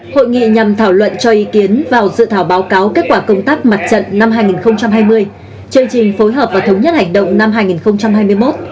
hội nghị nhằm thảo luận cho ý kiến vào dự thảo báo cáo kết quả công tác mặt trận năm hai nghìn hai mươi chương trình phối hợp và thống nhất hành động năm hai nghìn hai mươi một